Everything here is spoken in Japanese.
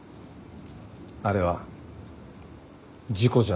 あれは事故じゃなかった。